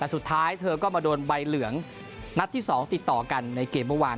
แต่สุดท้ายเธอก็มาโดนใบเหลืองนัดที่๒ติดต่อกันในเกมเมื่อวาน